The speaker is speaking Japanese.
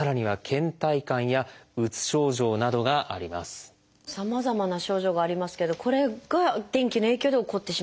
さらにさまざまな症状がありますけどこれが天気の影響で起こってしまうということですか？